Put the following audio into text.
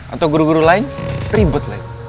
atau guru guru lain ribet